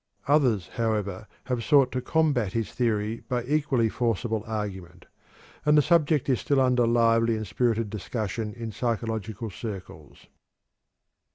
Others, however, have sought to combat his theory by equally forcible argument, and the subject is still under lively and spirited discussion in psychological circles.